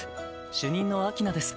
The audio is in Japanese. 主任の秋那です。